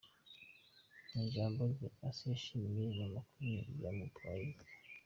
Mu ijambo rye, Assia yashimiye Mama Queen kubw'ubutwari bwe.